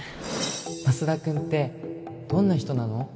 マスダ君ってどんな人なの？